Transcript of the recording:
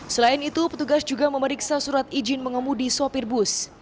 selain itu petugas juga memeriksa surat izin mengemudi sopir bus